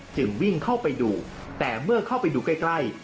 จึงวิ่งเข้าไปดูแต่เมื่อเข้าไปดูใกล้